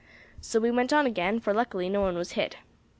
So on we went again, for, luckily, no one was hit.